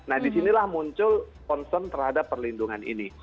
nah disinilah muncul concern terhadap perlindungan ini